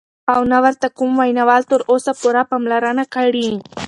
او نه ورته کوم وینا وال تر اوسه پوره پاملرنه کړې،